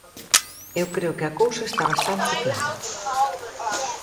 ¡Eu creo que a cousa está bastante clara!